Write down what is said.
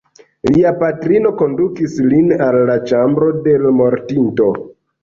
Lia patrino kondukis lin al la ĉambro de l' mortinto.